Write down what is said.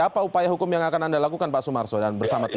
apa upaya hukum yang akan anda lakukan pak sumarso dan bersama tim